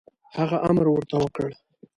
هغه امر ورته وکړ.